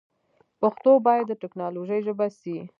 پښتو باید د ټیکنالوژي ژبه سی.